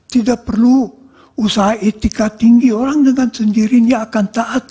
tidak perlu usaha etika tinggi orang dengan sendirinya akan taat